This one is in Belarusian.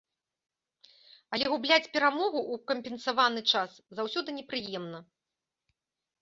Але губляць перамогу ў кампенсаваны час заўсёды непрыемна.